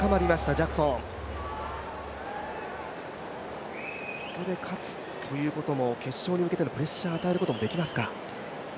ジャクソンここで勝つということも、決勝に向けてのプレッシャーということもできますか？